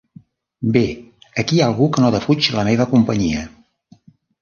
Bé, aquí hi ha algú que no defuig la meva companyia!